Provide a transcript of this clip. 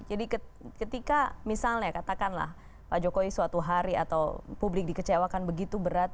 jadi ketika misalnya katakanlah pak jokowi suatu hari atau publik dikecewakan begitu berat